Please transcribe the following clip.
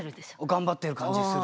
頑張ってる感じする。